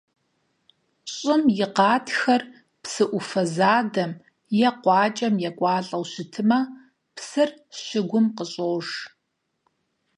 ЩӀым и къатхэр псы Ӏуфэ задэм е къуакӀэм екӀуалӀэу щытмэ, псыр щыгум къыщӀож.